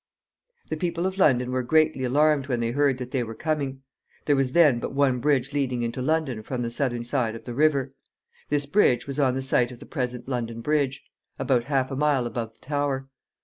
The people of London were greatly alarmed when they heard that they were coming. There was then but one bridge leading into London from the southern side of the river. This bridge was on the site of the present London Bridge, about half a mile above the Tower.